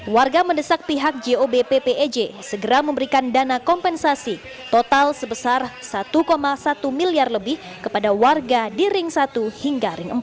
warga mendesak pihak job ppej segera memberikan dana kompensasi total sebesar satu satu miliar lebih kepada warga di ring satu hingga ring empat